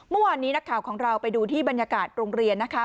เมื่อวานนี้นักข่าวของเราไปดูที่บรรยากาศโรงเรียนนะคะ